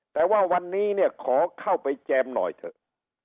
แต่ว่าวันนี้เนี่ยขอเข้าไปแจมหน่อยเถอะ